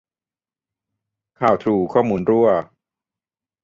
ข่าวทรูข้อมูลรั่ว